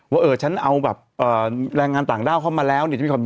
ว่าเออฉันเอาแบบแรงงานต่างด้าวเข้ามาแล้วเนี่ย